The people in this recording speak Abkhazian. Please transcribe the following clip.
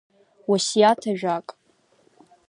Уасиаҭ ажәак.